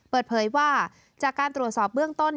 เปิดเผยว่าจากการตรวจสอบเบื้องต้น